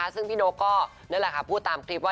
ซึ่งพี่นกก็พูดตามคลิปว่า